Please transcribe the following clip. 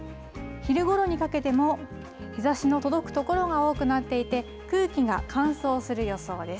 昼ごろにかけても、日ざしの届く所が多くなっていて、空気が乾燥する予想です。